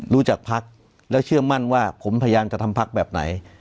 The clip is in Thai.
รู้จักพักแล้วเชื่อมั่นว่าผมพยายามจะทำพักแบบไหน